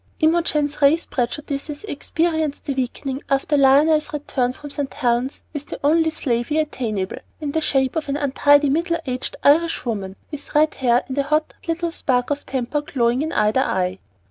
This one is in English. IMOGEN'S race prejudices experienced a weakening after Lionel's return from St. Helen's with the only "slavey" attainable, in the shape of an untidy, middle aged Irish woman, with red hair, and a hot little spark of temper glowing in either eye.